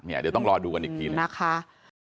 เดี๋ยวต้องรอดูกันอีกทีนะคะ